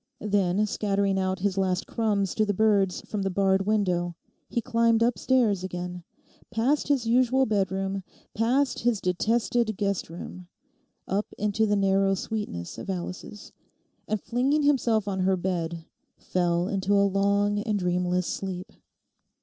Then, scattering out his last crumbs to the birds from the barred window, he climbed upstairs again, past his usual bedroom, past his detested guest room, up into the narrow sweetness of Alice's, and flinging himself on her bed fell into a long and dreamless sleep.